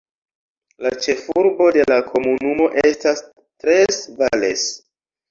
La ĉefurbo de la komunumo estas Tres Valles.